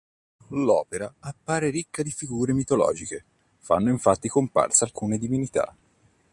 L'opera appare ricca di figure mitologiche, fanno infatti comparsa alcune divinità.